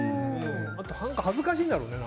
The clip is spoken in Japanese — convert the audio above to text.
あと何か恥ずかしいんだろうね。